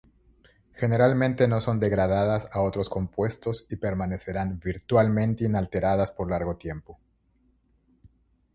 Generalmente no son degradadas a otros compuestos y permanecerán virtualmente inalteradas por largo tiempo.